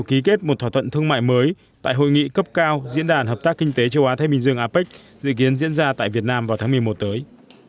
ký kết một thỏa thuận thương mại mới tại hội nghị cấp cao diễn đàn hợp tác kinh tế châu á thái bình dương apec dự kiến diễn ra tại việt nam vào tháng một mươi một tới